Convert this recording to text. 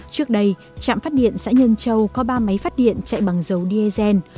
trước đây trạm phát điện xã nhơn châu có ba máy phát điện chạy bằng dấu diezen